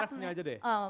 reffnya aja deh